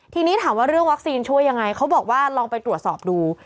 ทีนี้ถามว่าเรื่องวัคซีนช่วยยังไงเขาบอกว่าลองไปตรวจสอบดู